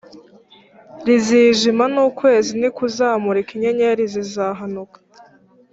rizijima n ukwezi ntikuzamurika inyenyeri zizahanuka